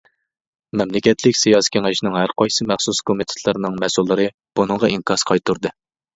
مەملىكەتلىك سىياسىي كېڭەشنىڭ ھەر قايسى مەخسۇس كومىتېتلىرىنىڭ مەسئۇللىرى بۇنىڭغا ئىنكاس قايتۇردى.